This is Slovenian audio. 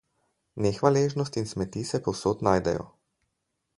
Nehvaležnost in smeti se povsod najdejo.